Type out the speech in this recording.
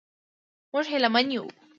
موږ هیله من یو.